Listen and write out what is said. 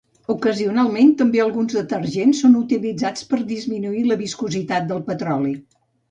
Ocasionalment, també alguns detergents són utilitzats per a disminuir la viscositat del petroli.